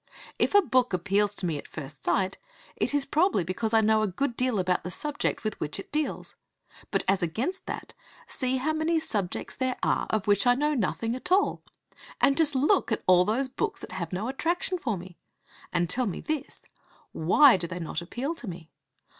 If a book appeals to me at first sight it is probably because I know a good deal about the subject with which it deals. But, as against that, see how many subjects there are of which I know nothing at all! And just look at all these books that have no attraction for me! And tell me this: Why do they not appeal to me?